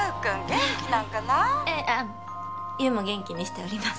ええあっ優も元気にしております